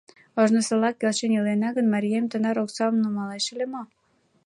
— Ожнысылак келшен илена гын, марием тынар оксам нумалеш ыле мо?